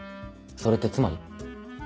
それってつまり。